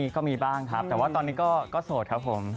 ก็มีบ้างครับแต่ว่าตอนนี้ก็โสดครับผม